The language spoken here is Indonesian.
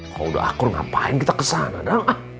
kalau udah akur ngapain kita kesana dang